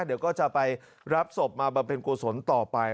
เดี๋ยวก็จะไปรับศพมาเป็นกลสนต่อไป